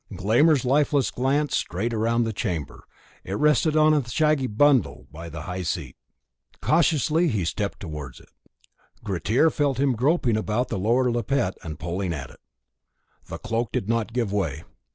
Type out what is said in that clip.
Glámr's lifeless glance strayed round the chamber; it rested on the shaggy bundle by the high seat. Cautiously he stepped towards it. Grettir felt him groping about the lower lappet and pulling at it. The cloak did not give way.